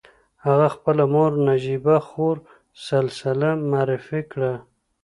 هغه خپله مور نجيبه خور سلسله معرفي کړه.